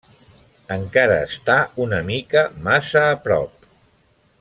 Encara està una mica massa a prop.